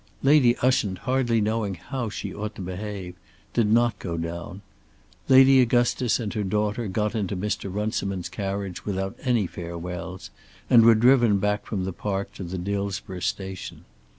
Lady Ushant, hardly knowing how she ought to behave, did not go down. Lady Augustus and her daughter got into Mr. Runciman's carriage without any farewells, and were driven back from the park to the Dillsborough Station.